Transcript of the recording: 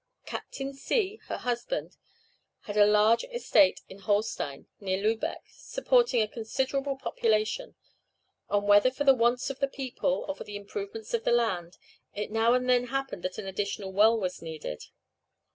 Captain C , her husband, had a large estate in Holstein, near Lubeck, supporting a considerable population; and whether for the wants of the people or for the improvement of the land, it now and then happened that an additional well was needed.